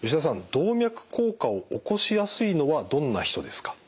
動脈硬化を起こしやすいのはどんな人ですか？